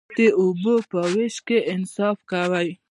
د اوبو په ویش کې انصاف کوئ؟